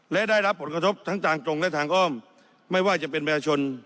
และได้รับผลกระทบทั้งทางตรงและทางอ้อมไม่ว่าจะเป็นประชาชน